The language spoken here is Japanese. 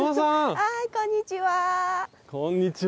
はいこんにちは。